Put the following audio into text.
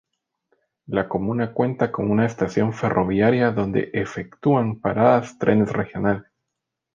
La comuna cuenta con una estación ferroviaria donde efectúan parada trenes regionales.